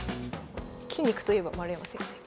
筋肉といえば丸山先生。